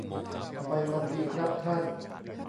ทำไมมันดีครับท่าน